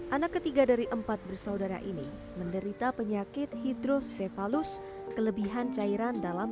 anak ketiga dari empat bersaudara ini menderita penyakit hidrosefalus kelebihan cairan dalam